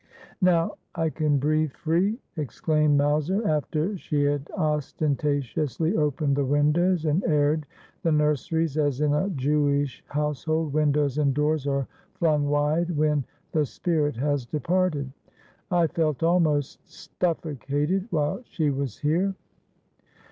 ' Now I can breathe free,' exclaimed Mowser, after she had ostentatiously opened the windows and aired the nurseries, as in a Jewish household windows and doors are flung wide when the spirit has departed. ' I felt almost stufE ocated while she was here.'